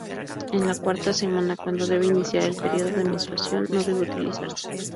En la cuarta semana, cuando debe iniciar el periodo de menstruación no debe utilizarse.